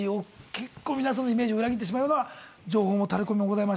結構皆さんのイメージを裏切ってしまうような情報のタレコミもございまして。